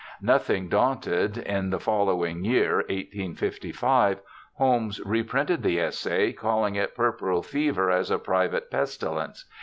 Nothing daunted, in the following year (1855) Holmes reprinted the essay, calling it Puerperal Fever as a Private Pestilence.